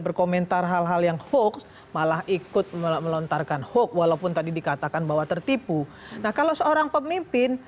berkomentar hal hal yang hoax malah ikut melontarkan hoax walaupun tadi dikatakan bahwa tertipu dan itu juga menurut saya itu adalah hal yang tidak bisa dikonsumsiin dengan jokowi